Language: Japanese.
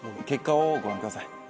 結果をご覧ください。